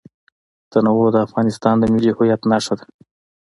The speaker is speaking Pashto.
تنوع د افغانستان د ملي هویت نښه ده.